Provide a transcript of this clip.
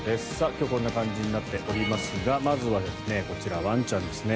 今日はこんな感じになっておりますがまずはこちらワンちゃんですね。